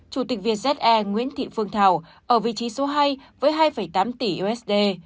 chủ tịch việt ze nguyễn thị phương thảo ở vị trí số hai với hai tám tỷ usd